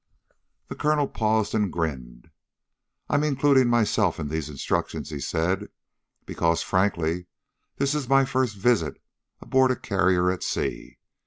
The colonel paused and grinned. "I'm including myself in these instructions," he said, "because, frankly, this is my first visit aboard a carrier at sea.